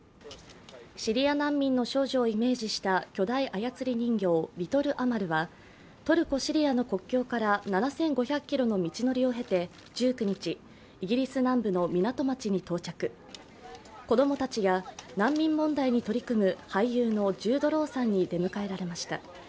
シリア難民の少女をイメージした巨大操り人形、リトル・アマルはトルコ・シリア国境から７５００ｋｍの道のりを経て１９日、イギリス南部の港町に到着子供たちや難民問題に取り組む俳優のジュード・ロウさんに出迎えられました。